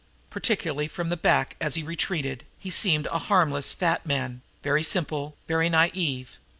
Particularly from the back, as he retreated, he seemed a harmless fat man, very simple, very naive.